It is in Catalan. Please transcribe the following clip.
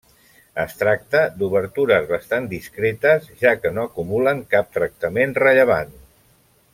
Es tracta d'obertures bastant discretes, ja que no acumulen cap tractament rellevant.